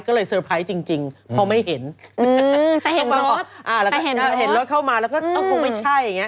ก็เลยเซอร์ไพรส์จริงเพราะไม่เห็นแต่เห็นรถเข้ามาแล้วก็คงไม่ใช่